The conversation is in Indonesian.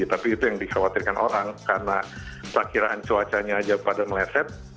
tapi itu yang diskhawatirkan orang karena tak kirakan cuacanya aja pada meleset